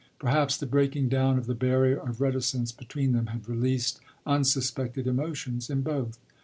Perhaps the breaking down of the barrier of reticence between them had released unsuspected emotions in both.